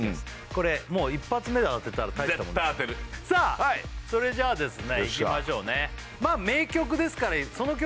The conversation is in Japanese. これ１発目で当てたら大したもんだ絶対当てるさあそれじゃあですねいきましょうねああ